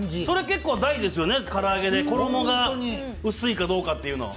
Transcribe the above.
それ結構大事ですよね、唐揚げで衣が薄いかどうか。